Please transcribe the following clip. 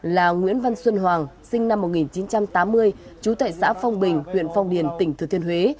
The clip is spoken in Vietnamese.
là nguyễn văn xuân hoàng sinh năm một nghìn chín trăm tám mươi chú tệ xã phong bình huyện phong điền tỉnh thừa thiên huế